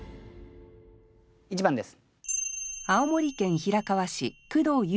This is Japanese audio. １番です。